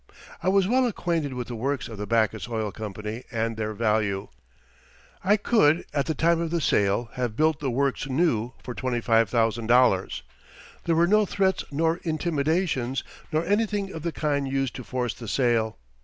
I was well acquainted with the works of the Backus Oil Company and their value. I could at the time of the sale have built the works new for $25,000. There were no threats nor intimidations, nor anything of the kind used to force the sale.